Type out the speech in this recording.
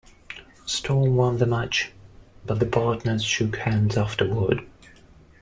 Storm won the match, but the partners shook hands afterward.